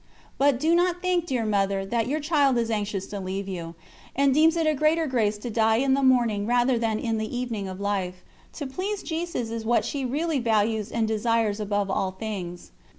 But do not think, dear Mother, that your child is anxious to leave you, and deems it a greater grace to die in the morning rather than in the evening of life; to please Jesus is what [s]he really values and desires above all things.